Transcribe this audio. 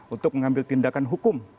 untuk mengambil tindakan hukum